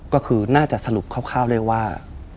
ก็คือน่าจะสรุปคร่าวได้ว่า